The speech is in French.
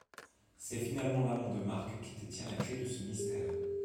C’est finalement l’amant de Marc qui détient la clé de ce mystère.